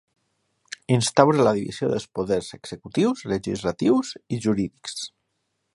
Instaura la divisió dels poders executius, legislatius i jurídics.